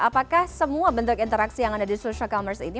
apakah semua bentuk interaksi yang ada di social commerce ini